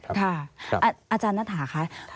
อาจารย์นัทหาคะ